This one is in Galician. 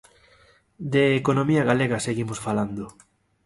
De economía galega seguimos falando.